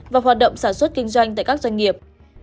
và hoạt động sản xuất kinh doanh tại các doanh nghiệp